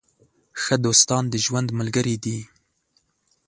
ښه دوستان د ژوند ملګري دي.